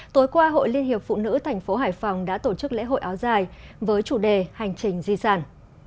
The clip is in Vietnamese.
tối qua hội liên hiệp phụ nữ thành phố hải phòng đã tổ chức lễ hội áo dài với chủ đề hành trình di sản